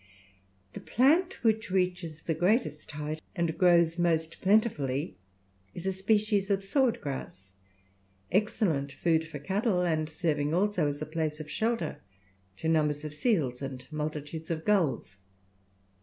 The plant which reaches the greatest height and grows most plentifully is a species of sword grass, excellent food for cattle, and serving also as a place of shelter to numbers of seals and multitudes of gulls.